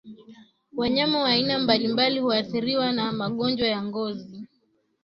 Wanyama wa aina mbalimbali huathiriwa na magonjwa ya ngozi